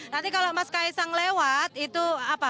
nanti kalau mas kaisang lewat itu apa